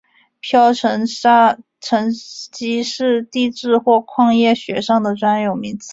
漂砂沉积是地质或矿业学上的专有名词。